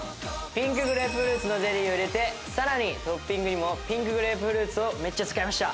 ピンクグレープフルーツのゼリーを入れてさらにトッピングにもピンクグレープフルーツをめっちゃ使いました。